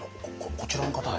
こちらの方は？